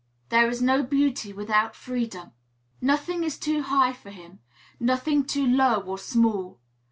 "There is no beauty without freedom." Nothing is too high for him, nothing too low or small.